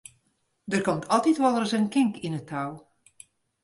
Der komt altyd wolris in kink yn 't tou.